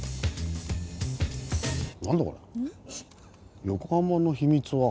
何だこれは。